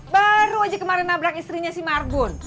baru aja kemarin nabrak istrinya si marbun